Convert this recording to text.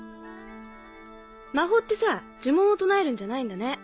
魔法ってさ呪文を唱えるんじゃないんだね。